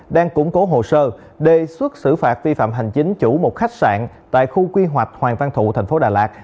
đang củng cố hồ sơ đề xuất xử phạt vi phạm hành chính chủ một khách sạn tại khu quy hoạch hoàng văn thụ thành phố đà lạt